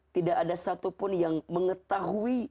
tidak ada satupun yang mengetahui